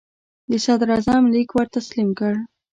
د صدراعظم لیک ور تسلیم کړ.